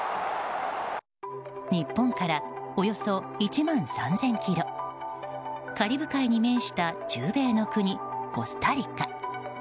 日本からおよそ１万３０００ｋｍカリブ海に面した中米の国コスタリカ。